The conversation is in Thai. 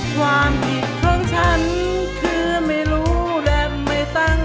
ความผิดของฉันคือไม่รู้และไม่ตั้ง